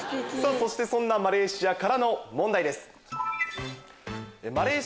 そんなマレーシアからの問題です。